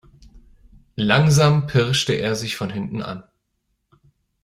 Langsam pirschte er sich von hinten an.